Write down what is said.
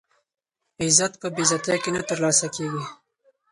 عزت په بې غیرتۍ کې نه ترلاسه کېږي.